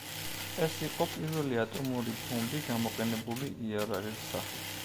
ეს იყო პირველი ატომური ბომბი გამოყენებული იარაღის სახით.